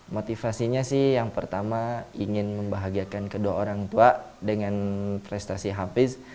motivasinya sih yang pertama ingin membahagiakan kedua orang tua dengan prestasi hafiz